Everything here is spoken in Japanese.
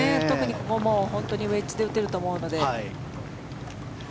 ここは本当にウェッジで打てると思うので。